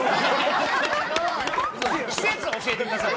季節教えてください。